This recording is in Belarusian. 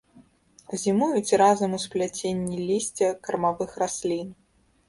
Зімуюць разам у спляценні лісця кармавых раслін.